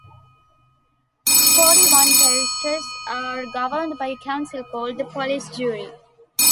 Forty-one parishes are governed by a council called the Police Jury.